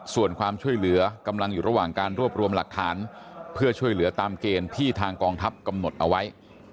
ส่วนความช่วยเหลือกำลังอยู่ระหว่างการรวบรวมหลักฐานเพื่อช่วยเหลือตามเกณฑ์ที่ทางกองทัพกำหนดเอาไว้